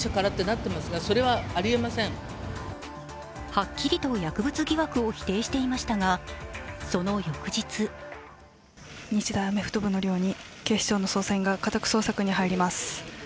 はっきりと薬物疑惑を否定していましたが、その翌日日大アメフト部の寮に警視庁の捜査員が家宅捜索に入ります。